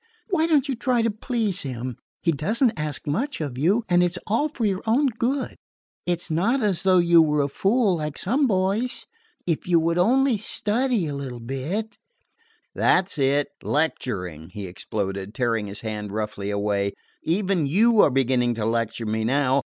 "Why don't you try to please him? He does n't ask much of you, and it 's all for your own good. It 's not as though you were a fool, like some boys. If you would only study a little bit " "That 's it! Lecturing!" he exploded, tearing his hand roughly away. "Even you are beginning to lecture me now.